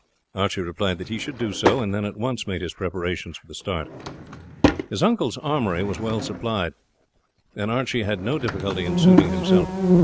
Archie replied that he should do so, and then at once made his preparations for the start. His uncle's armoury was well supplied, and Archie had no difficulty in suiting himself.